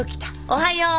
おはよう。